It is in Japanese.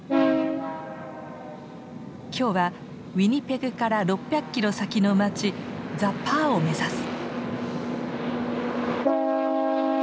今日はウィニペグから６００キロ先の町ザ・パーを目指す。